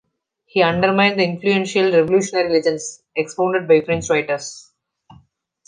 He undermined the influential revolutionary legends, expounded by French writers.